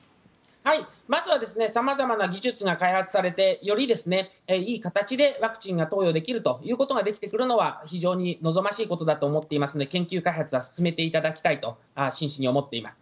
まずは様々な技術が開発されて、よりいい形でワクチンが投与できるということができてくるのは非常に望ましいことだと思っていますので研究開発は進めていただきたいと真摯に思っています。